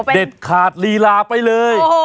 เด็ดขาดหรีหราไปเลย